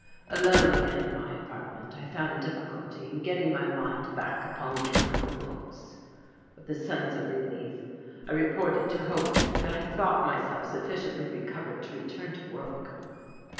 Alone again in my apartment I found difficulty in getting my mind back upon chemical books. With a sense of relief I reported to Holknecht that I thought myself sufficiently recovered to return to work.